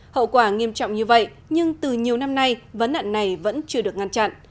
hậu quả nghiêm trọng như vậy nhưng từ nhiều năm nay vấn nạn này vẫn chưa được ngăn chặn